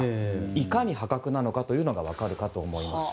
いかに破格なのかが分かるかと思います。